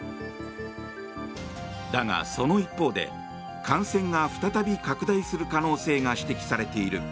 だが、その一方で感染が再び拡大する可能性が指摘されている。